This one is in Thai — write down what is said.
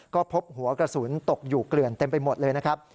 ก็พบหัวกระสุนตกอยู่เกลื่อนเต็มไปหมดเลยนะครับ